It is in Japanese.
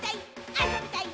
あそびたい！